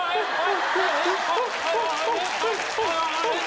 はい。